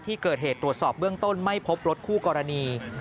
ที่เกิดเหตุตรวจสอบเบื้องต้นไม่พบรถคู่กรณี